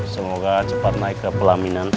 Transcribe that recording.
semoga cepat naik ke pelaminan